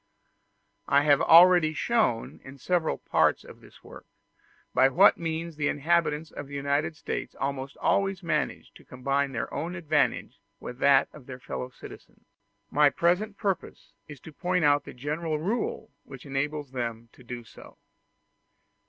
I have already shown, in several parts of this work, by what means the inhabitants of the United States almost always manage to combine their own advantage with that of their fellow citizens: my present purpose is to point out the general rule which enables them to do so.